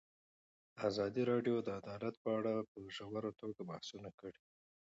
ازادي راډیو د عدالت په اړه په ژوره توګه بحثونه کړي.